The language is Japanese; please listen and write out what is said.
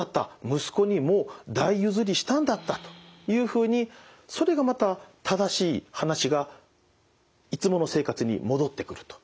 息子にもう代譲りしたんだったというふうにそれがまた正しい話がいつもの生活に戻ってくると。